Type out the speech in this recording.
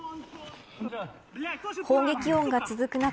砲撃音が続く中